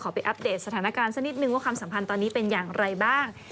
ก็เลยขอให้อัปเดตสถานการณ์สักนิดนึงว่าคำสัมพันธ์ตอนนี้เป็นอย่างไรมัก